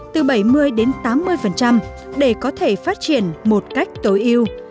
từ bảy mươi đến tám mươi để có thể phát triển một cách tối yêu